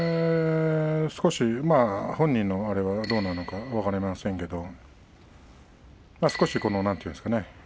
少し、本人のあれはどうなのか分かりませんけど少しなんて言うんですかね